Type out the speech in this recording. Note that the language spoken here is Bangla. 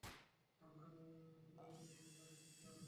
আমার গোড়ালিতে সমস্যা আছে, খোকা।